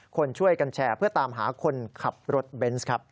คนช่วยกันแชร์เพื่อตามหาคนขับรถเบนส์ครับ